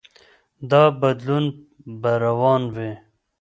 دا بدلون به روان وي.